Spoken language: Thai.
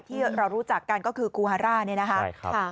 ที่เรารู้จักกันก็คือครูฮาร่าเนี่ยนะคะ